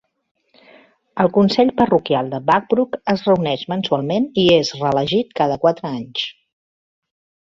El consell parroquial de Bugbrooke es reuneix mensualment i és reelegit cada quatre anys.